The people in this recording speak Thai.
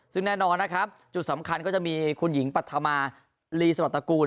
ซึ่งแน่นอนนะครับจุดสำคัญก็จะมีคุณหญิงปัธมาลีสวรรตระกูล